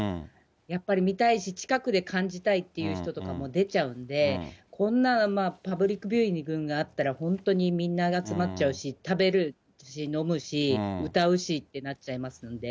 やっぱり見たいし、近くで感じたいっていう人たちも出ちゃうんで、こんな、パブリックビューイングがあったら、本当にみんな集まっちゃうし、食べるし、飲むし、歌うしってなっちゃいますので。